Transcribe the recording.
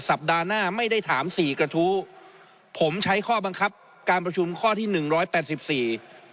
สัปดาห์หน้าไม่ได้ถามสี่กระทู้ผมใช้ข้อบังคับการประชุมข้อที่หนึ่งร้อยแปดสิบสี่